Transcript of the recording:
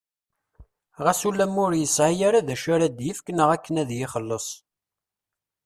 Ɣas ulamma ur yesɛwi ara d acu ara d-yefk neɣ akken ad iyi-ixelles.